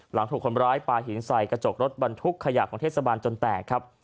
หลังถูกคนร้ายปลาหินใส่กระจกรถบรรทุกขยะของเทศบาลจนแตกครับ